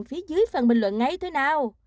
phía dưới phần bình luận ngay thôi nào